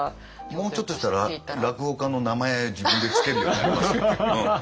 もうちょっとしたら落語家の名前自分で付けるようになりますよ。